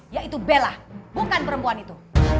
yaitu bella bukan perempuan itu